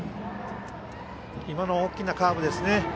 今の大きなカーブですね。